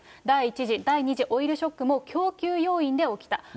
第１次、第２次オイルショックも供給要因で起きた。